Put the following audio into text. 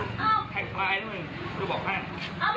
เอาไปทำเขาทำไม